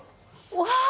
うわ！